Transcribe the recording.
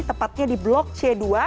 tepatnya di blok c dua